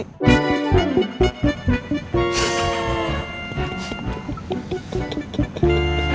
gak bisa diangkat